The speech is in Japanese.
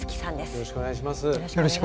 よろしくお願いします。